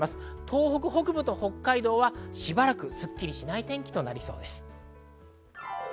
東北北部と北海道はしばらくすっきりしない天気となりそうです。